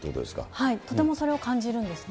とてもそれを感じるんですね。